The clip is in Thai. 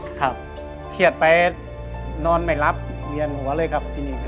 ครับเครียดไปนอนไม่รับเวียนหัวเลยครับที่นี่